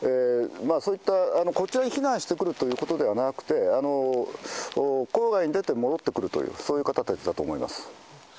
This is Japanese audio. そういった、こちらに避難してくるということではなくて、郊外に出て戻ってくるというそういう方たちだと思います。